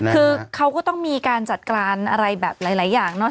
คือเขาก็ต้องมีการจัดการอะไรแบบหลายอย่างเนาะ